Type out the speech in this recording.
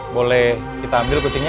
boleh kita ambil kucingnya